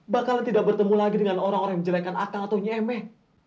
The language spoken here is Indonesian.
bakal tidak bertemu lagi dengan orang orang yang menjelekan aka atau nyi emeh